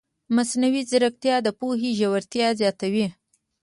مصنوعي ځیرکتیا د پوهې ژورتیا زیاتوي.